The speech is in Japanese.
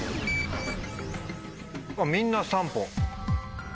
みんな３歩。